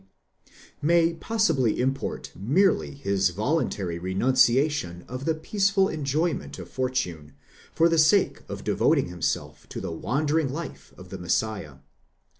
20), may possibly import merely his voluntary renunciation of the peaceful enjoyment of fortune, for the sake of devoting himself to the wandering life of the Messiah.